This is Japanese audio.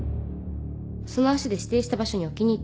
その足で指定した場所に置きに行ったの。